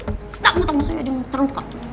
kusamu atau maksudnya ada yang terluka